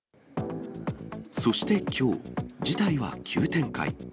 そしてきょう、事態は急展開。